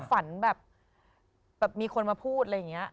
ฝันแบบมีคนมาพูดอะไรอย่างนี้